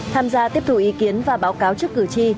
tham gia tiếp tục ý kiến và báo cáo trước cử tri